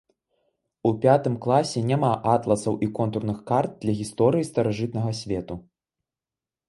У пятым класе няма атласаў і контурных карт для гісторыі старажытнага свету.